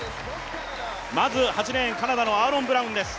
まず８レーン、カナダのアーロン・ブラウンです。